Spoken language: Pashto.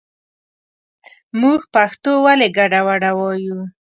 مونږ پښتو ولې ګډه وډه وايو